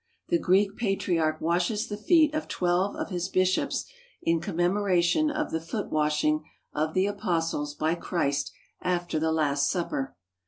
The Greek Pa triarch washes the feet of twelve of his bishops in com memoration of the foot washing of the apostles by Christ after the Last Supper.